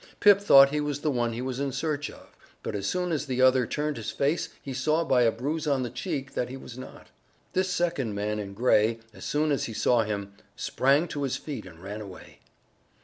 Pip thought he was the one he was in search of, but as soon as the other turned his face he saw by a bruise on the cheek that he was not. This second man in gray, as soon as he saw him, sprang to his feet and ran away.